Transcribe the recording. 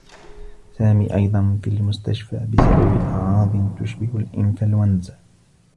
سامي أيضا في المستشفى بسبب أعراض تشبه الانفلونزا.